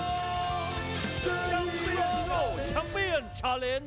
จริง